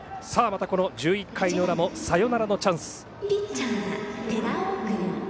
１１回の裏もサヨナラのチャンス。